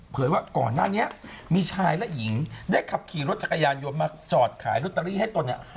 ว่าก่อนหน้านี้มีชายและหญิงได้ขับขี่รถจักรยานยนต์มาจอดขายลอตเตอรี่ให้ตนเนี่ย